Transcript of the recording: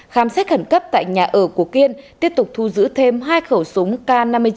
khám xét khẩn cấp tại nhà ở của kiên tiếp tục thu giữ thêm hai khẩu súng k năm mươi chín